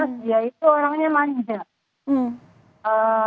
dia itu orangnya manja